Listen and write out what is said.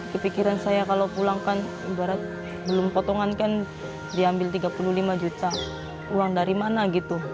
kepikiran saya kalau pulang kan ibarat belum potongan kan diambil tiga puluh lima juta uang dari mana gitu